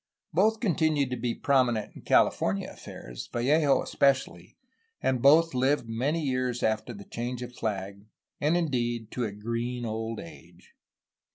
Both continued to be prominent in California affairs, Vallejo especially, and both lived many years after the change of flag and indeed to a green old age.